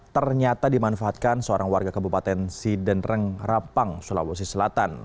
ternyata dimanfaatkan seorang warga kabupaten sidenreng rapang sulawesi selatan